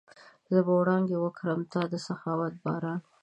زه به وړانګې وکرم، ته د سخاوت باران